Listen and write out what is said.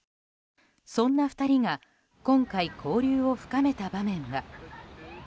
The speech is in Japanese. そんな２人が今回、交流を深めた場面が。